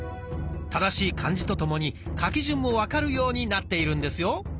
正しい漢字とともに書き順も分かるようになっているんですよ。